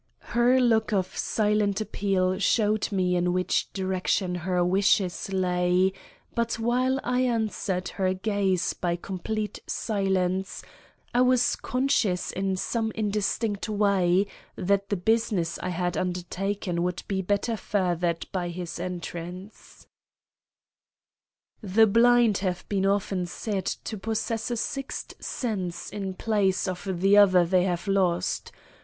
Her look of silent appeal showed me in which direction her wishes lay, but while I answered her glance by complete silence, I was conscious in some indistinct way that the business I had undertaken would be better furthered by his entrance. The blind have been often said to possess a sixth sense in place of the one they have lost.